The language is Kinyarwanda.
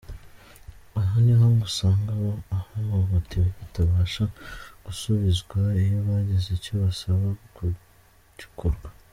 Aha niho ngo usanga abahohotewe batabasha gusubizwa iyo bagize icyo basaba ko gikorwa.